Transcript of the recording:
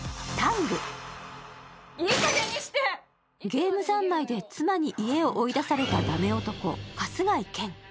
ゲーム三昧で妻に家を追い出されたダメ男・春日井健。